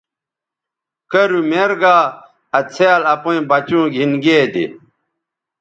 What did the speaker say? کرُو میر گا آ څھیال اپئیں بچوں گھِن گے دے۔